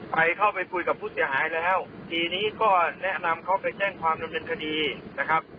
ไปเข้าไปคุยกับผู้เสียหายแล้วทีนี้ก็แนะนำเขาไปแจ้งความดำเนินคดีนะครับ